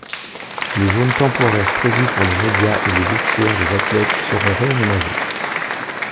Les zones temporaires prévues pour les médias et les vestiaires des athlètes seront réaménagées.